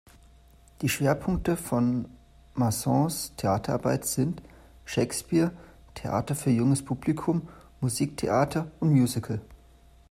Die Schwerpunkte von Masons Theaterarbeit sind: Shakespeare; Theater für junges Publikum; Musiktheater und Musical.